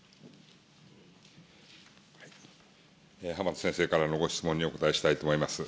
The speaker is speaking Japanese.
浜田先生からのご質問にお答えしたいと思います。